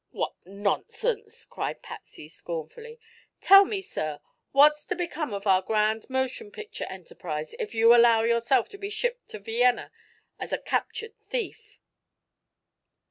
"What nonsense!" cried Patsy, scornfully. "Tell me, sir, what's to become of our grand motion picture enterprise, if you allow yourself to be shipped to Vienna as a captured thief?"